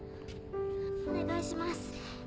お願いします。